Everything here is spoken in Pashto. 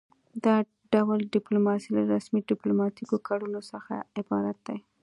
دا ډول ډیپلوماسي له رسمي ډیپلوماتیکو کړنو څخه عبارت ده